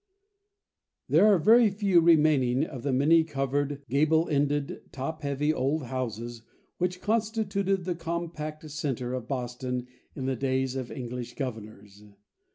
There are very few remaining of the many covered, gable ended, top heavy, old houses which constituted the compact centre of Boston in the days of English governors.